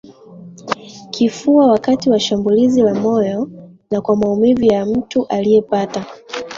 kifua wakati wa shambulizi la moyo na kwa maumivu ya mtu aliyepata